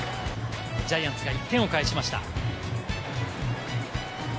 ジャイアンツが１点をかえしました。